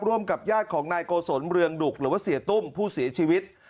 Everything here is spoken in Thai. ร่วมกับญาติของนายโกศลเรืองดุกหรือว่าเสียตุ้มผู้เสียชีวิต